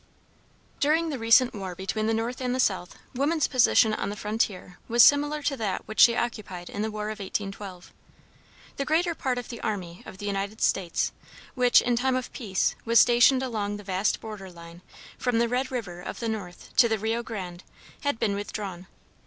During the recent war between the North and the South woman's position on the frontier was similar to that which she occupied in the war of 1812. The greater part of the army of the United States, which, in time of peace, was stationed along the vast border line from the Red River of the North to the Rio Grande, had been withdrawn.